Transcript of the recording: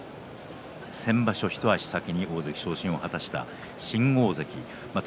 先場所、一足先に大関昇進を果たした新大関霧島